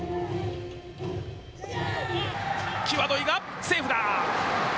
際どいがセーフだ。